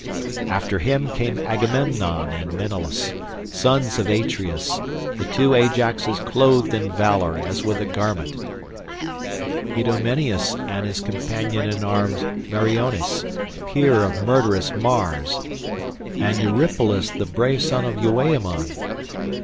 After him came Agamemnon and Menelaus, sons of Atreus, the two Ajaxes clothed in valour as with a garment, Idomeneus and his companion in arms Meriones, peer of murderous Mars, and Eurypylus the brave son of Euaemon.